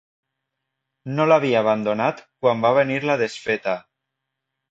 No l'havia abandonat quan va venir la desfeta